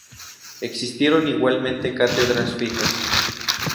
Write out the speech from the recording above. Existieron igualmente Cátedras Fijas.